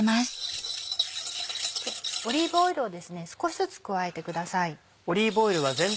オリーブオイルを少しずつ加えてください。